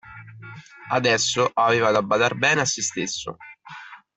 Adesso, aveva da badar bene a sé stesso.